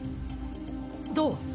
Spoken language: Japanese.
どう？